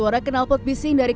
nor gentlemen terima kasih